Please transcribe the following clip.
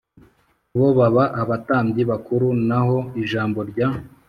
Bo baba abatambyi bakuru naho ijambo rya